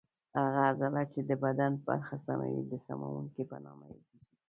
هغه عضله چې د بدن برخه سموي د سموونکې په نامه یادېږي.